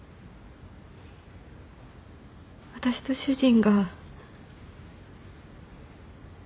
私と主人が。